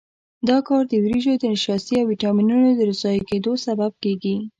دا کار د وریجو د نشایستې او ویټامینونو د ضایع کېدو سبب کېږي.